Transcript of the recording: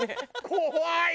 怖い！